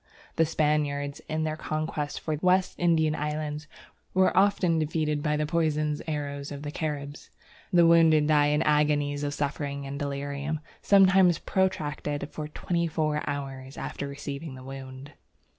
The Spaniards, in their conquest of the West Indian islands, were often defeated by the poisoned arrows of the Caribs. The wounded died in agonies of suffering and delirium, sometimes protracted for twenty four hours after receiving the wound.